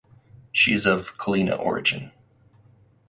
She is of Kalina origin.